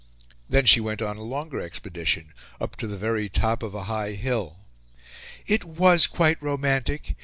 Then she went on a longer expedition up to the very top of a high hill. "It was quite romantic.